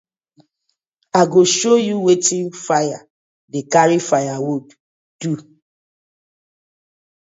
I go show yu wetin fire dey karry firewood do.